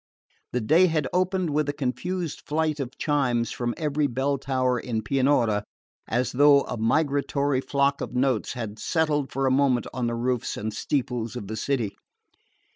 The day had opened with a confused flight of chimes from every bell tower in Pianura, as though a migratory flock of notes had settled for a moment on the roofs and steeples of the city.